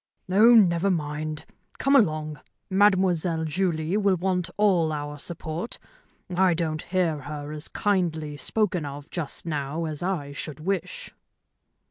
"Oh, never mind. Come along. Mademoiselle Julie will want all our support. I don't hear her as kindly spoken of just now as I should wish."